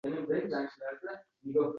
Yomon niyatda biror gap aytdimmi?